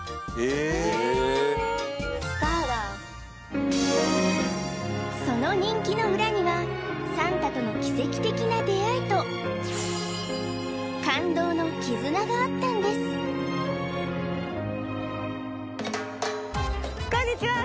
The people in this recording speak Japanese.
スターだその人気の裏にはさんたとの奇跡的な出会いと感動の絆があったんですこんにちは